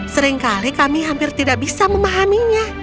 seringkali kami hampir tidak bisa memahaminya